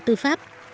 bộ tư pháp